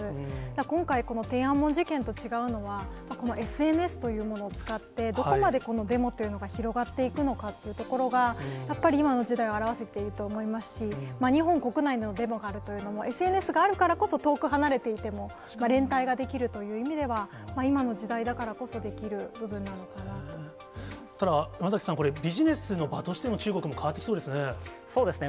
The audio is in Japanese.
今回、この天安門事件と違うのは、このＳＮＳというものを使って、どこまでこのデモというのが広がっていくのかというところが、やっぱり今の時代を表せていると思いますし、日本国内にもデモがあるということもＳＮＳがあるからこそ、遠く離れていても、連帯ができるという意味では今の時代だからこそできる部分なのか山崎さん、ビジネスの場としても、中国も変わってきそうですね。